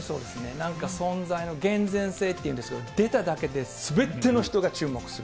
なんか存在のげんぜん性っていうんですけど、出ただけですべての人が注目する。